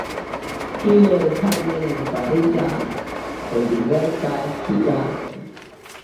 Tiel tamen ne fariĝas, pro diversaj kialoj.